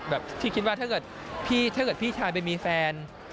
ที่คิดว่าถ้าเกิดพี่ชายไปมีแฟน